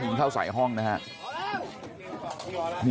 เข้าใส่ห้องนะครับ